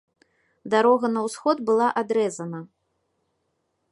Дарога на ўсход была адрэзана.